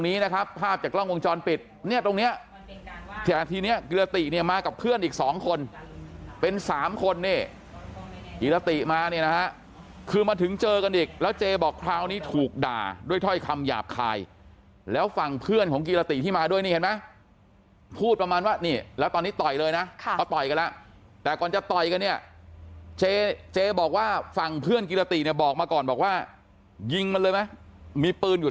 นี่นะครัภภาพจากกล้องวงจอนปิดเนี่ยตรงนี้ที่เนี่ยกิรติเนี่ยมากับเพื่อนอีก๒คนเป็น๓คนเนี่ยกิรติมานี่นะฮะคือมาถึงเจอกันอีกแล้วเจบอกคราวนี้ถูกด่าด้วยถ้อยคำหยาบคายแล้วฝั่งเพื่อนของกิรติที่มาด้วยนี่เห็นไหมพู